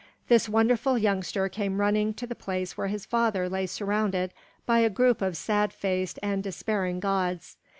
This wonderful youngster came running to the place where his father lay surrounded by a group of sad faced and despairing gods.